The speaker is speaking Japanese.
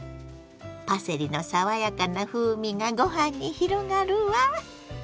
パセリの爽やかな風味がご飯に広がるわ。